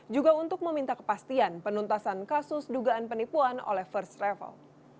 juga untuk meminta kepastian penuntasan kasus dugaan penipuan oleh first travel